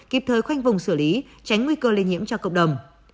kịp thời khoanh vùng xử lý tránh nguy cơ lây nhiễm cho cộng đồng